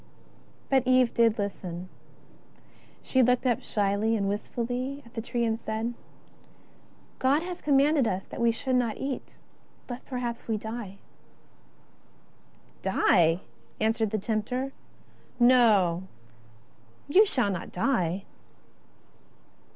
But Eve did listen. She looked up shyly and wistfully at the tree and said: ^' God hath commanded us that we should not eat, lest perhaps we die." " Die !" answered the tempter, " no, you shall not die."